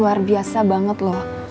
luar biasa banget loh